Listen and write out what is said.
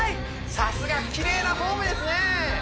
さすがきれいなフォームですね